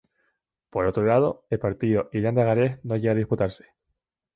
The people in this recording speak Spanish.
Por otro lado el partido Irlanda-Gales no llega a disputarse.